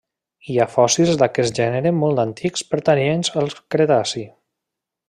Hi ha fòssils d'aquest gènere molt antics pertanyents al cretaci.